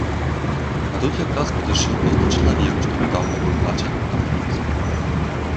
А тут якраз падышоў тоўсты чалавек, што нядаўна быў бачаным на вуліцы.